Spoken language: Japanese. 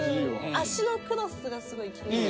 足のクロスがすごくきれい。